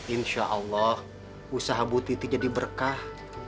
insya allah usaha bu titi jadi berkah